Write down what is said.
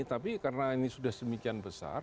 tapi karena ini sudah sedemikian besar